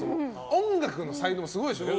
音楽の才能がすごいでしょ。